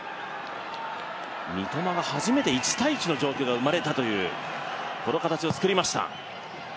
三笘が初めて１対１の形が生まれたというこの状況を作りました。